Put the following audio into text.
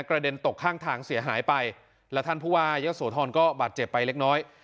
กระเด็นตกข้างทางเสียหายไปแล้วท่านผู้ว่าเยอะโสธรก็บาดเจ็บไปเล็กน้อย